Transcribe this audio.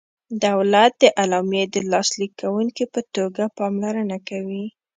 دولت د اعلامیې د لاسلیک کوونکي په توګه پاملرنه کوي.